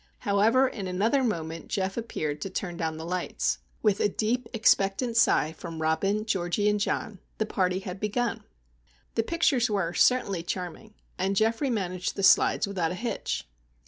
However, in another moment Geof appeared to turn down the lights. With a deep, expectant sigh from Robin, Georgie, and John, the party had begun! The pictures were certainly charming, and Geoffrey managed the slides without a hitch.